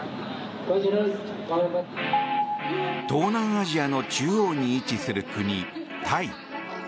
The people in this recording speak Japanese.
東南アジアの中央に位置する国タイ。